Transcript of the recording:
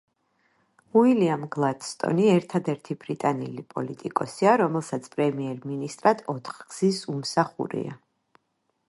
უილიამ გლადსტონი ერთადერთი ბრიტანელი პოლიტიკოსია, რომელსაც პრემიერ-მინისტრად ოთხგზის უმსახურია.